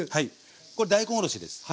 これ大根おろしです。